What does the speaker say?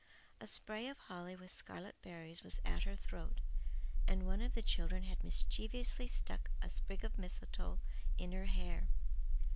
A spray of holly with scarlet berries was at her throat and one of the children had mischievously stuck a sprig of mistletoe in her hair.